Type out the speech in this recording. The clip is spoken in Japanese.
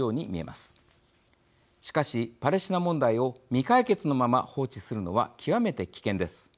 しかしパレスチナ問題を未解決のまま放置するのは極めて危険です。